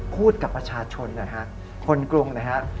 พูดกับประชาชนนะครับคนกรุงนะครับ